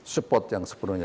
support yang sepenuhnya